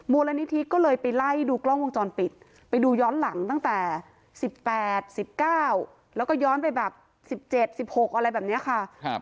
มูลนิธิก็เลยไปไล่ดูกล้องวงจรปิดไปดูย้อนหลังตั้งแต่๑๘๑๙แล้วก็ย้อนไปแบบ๑๗๑๖อะไรแบบนี้ค่ะ